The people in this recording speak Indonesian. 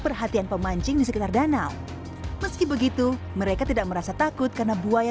perhatian pemancing di sekitar danau meski begitu mereka tidak merasa takut karena buaya